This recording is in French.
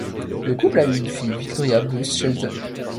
Le couple a eu une fille, Victoria Büse Shelton.